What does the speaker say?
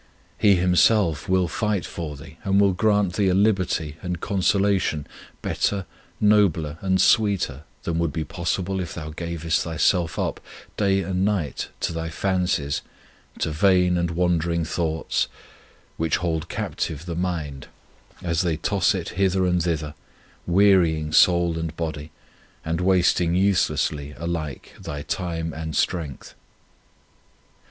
He Himself will fight for thee, and will grant thee a liberty and consolation better, nobler, and sweeter than would be possible if thou gavest thyself up day and night to thy fancies, to vain and wandering thoughts, which hold captive the mind, as they toss it hither and thither, wearying soul and 31 On Union with God body, and wasting uselessly alike thy time and strength.